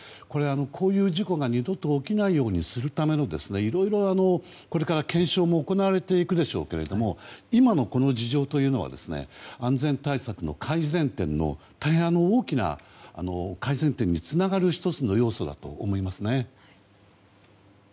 これ、事故が二度と起きないようにするためのいろいろこれから検証も行われていくでしょうけれども今のこの事情というのは安全対策の改善点の大変大きな改善点につながる１つの要素だと思います。